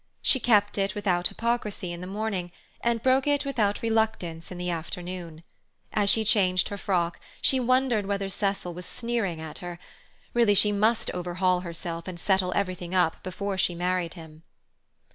She kept it without hypocrisy in the morning, and broke it without reluctance in the afternoon. As she changed her frock, she wondered whether Cecil was sneering at her; really she must overhaul herself and settle everything up before she married him.